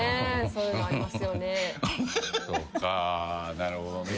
そうかぁなるほどね。